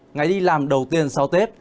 ngày đi làm đầu tiên sau tết